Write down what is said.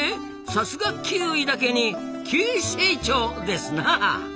さすがキーウィだけにキウイ成長ですなあ！